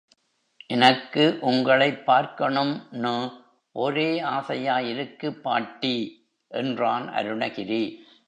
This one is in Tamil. எனக்கு உங்களைப் பார்க்கணும்னு ஒரே ஆசையா இருக்கு பாட்டி! என்றான் அருணகிரி.